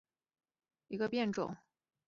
睫毛金腰为虎耳草科金腰属下的一个变种。